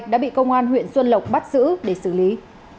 đã bị công an huyện xuân lộc bắt giữ để xử lý